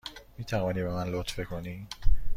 می توانی به من لطفی بکنی؟